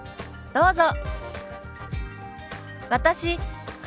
どうぞ。